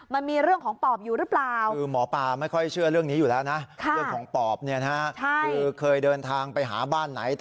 แม่ขอบินสะบากขอบินสะบากแม่